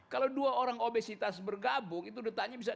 kalau dua orang obesitas bergabung itu detaknya bisa tiga ratus enam puluh